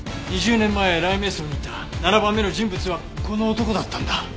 ２０年前雷冥荘にいた７番目の人物はこの男だったんだ。